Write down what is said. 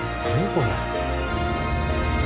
これ。